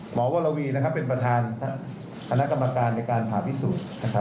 หมอโวรวีนะครับเป็นประธานคณะกรรมการในการผ่าพิสูจน์